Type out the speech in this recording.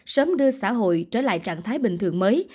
sớm đưa xã hội trở lại trạng thái bình thường mới